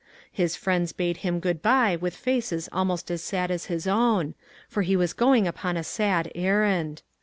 His friends bade him good bye with faces almost as sad as his own, for he was going upon a sad errand.